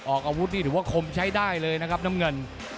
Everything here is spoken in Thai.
ออกอาวุธนี่ถือว่าคมใช้ได้เลยนะครับน้ำเงิน